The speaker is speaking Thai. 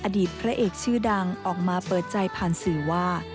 อดีตพระเอกชื่อดังออกมาเปิดใจผ่านสื่อว่า